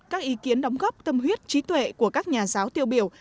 các ý kiến đóng góp tâm huyết trí tuệ của các nhà giáo tiêu biểu